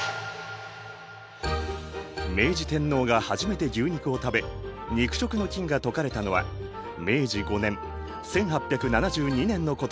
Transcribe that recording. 明治天皇が初めて牛肉を食べ肉食の禁が解かれたのは明治５年１８７２年のことである。